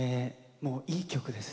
もういい曲です。